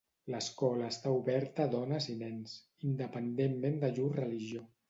L'escola està oberta a dones i nens, independentment de llur religió.